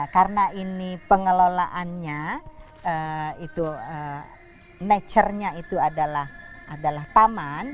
karena ini pengelolaannya itu nature nya itu adalah taman